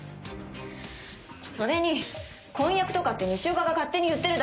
それに婚約とかって西岡が勝手に言ってるだけです！